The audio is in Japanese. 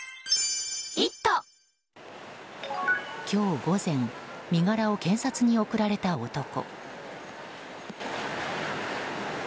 今日午前、身柄を検察に送られた男。